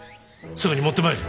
すぐに持ってまいれ。